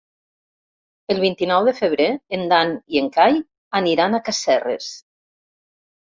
El vint-i-nou de febrer en Dan i en Cai aniran a Casserres.